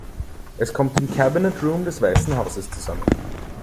Es kommt im Cabinet Room des Weißen Hauses zusammen.